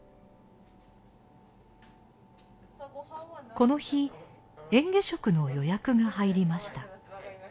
この日嚥下食の予約が入りました。